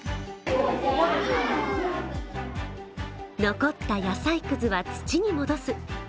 残った野菜くずは土に戻す。